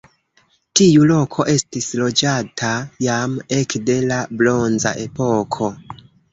Tiu loko estis loĝata jam ekde la bronza epoko.